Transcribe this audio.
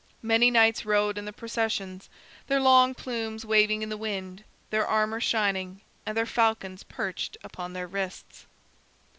Many knights rode in the processions, their long plumes waving in the wind, their armor shining, and their falcons perched upon their wrists.